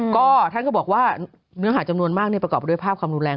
ก็ท่านก็บอกว่าเนื้อหาจำนวนมากประกอบไปด้วยภาพความรุนแรง